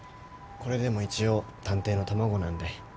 これでも一応探偵の卵なんで。